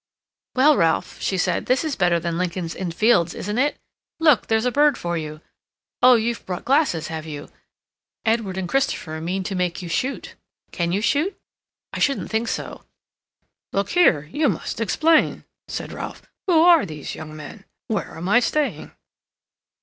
"Well, Ralph," she said, "this is better than Lincoln's Inn Fields, isn't it? Look, there's a bird for you! Oh, you've brought glasses, have you? Edward and Christopher mean to make you shoot. Can you shoot? I shouldn't think so—" "Look here, you must explain," said Ralph. "Who are these young men? Where am I staying?"